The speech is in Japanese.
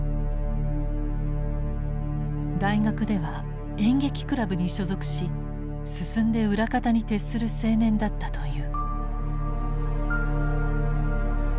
大学では演劇クラブに所属し進んで裏方に徹する青年だったという。